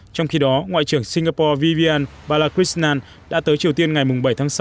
trong khi đó ngoại trưởng singapore vivian balakrishnan đã tới triều tiên ngày bảy tháng sáu